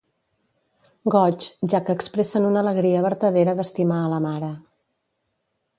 Goigs, ja que expressen una alegria vertadera d'estimar a la Mare.